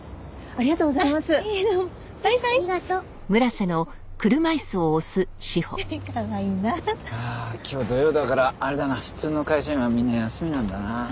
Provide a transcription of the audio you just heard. ああ今日土曜だからあれだな普通の会社員はみんな休みなんだな。